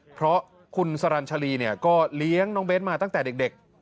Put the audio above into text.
เพราะคุณสรรชรีเนี่ยก็เลี้ยงน้องเบ้นมาตั้งแต่เด็ก